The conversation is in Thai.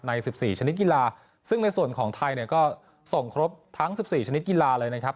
ใน๑๔ชนิดกีฬาซึ่งในส่วนของไทยเนี่ยก็ส่งครบทั้ง๑๔ชนิดกีฬาเลยนะครับ